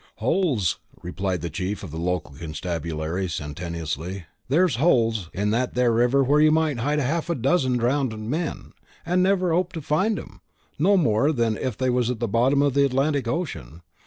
"Holes," replied the chief of the local constabulary, sententiously; "there's holes in that there river where you might hide half a dozen drownded men, and never hope to find 'em, no more than if they was at the bottom of the Atlantic Ocean.